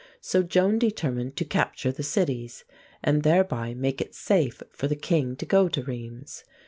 So Joan determined to capture the cities, and thereby make it safe for the king to go to Rheims.